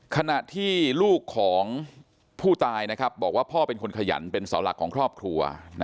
ขณะที่ลูกของผู้ตายบอกว่าพ่อเป็นคนขยันเป็นเสาหลักของครอบครัว